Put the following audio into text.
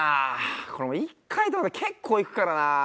これ１回止まると結構いくからな。